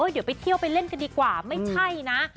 เดี๋ยวไปเที่ยวไปเล่นกันดีกว่าไม่ใช่นะ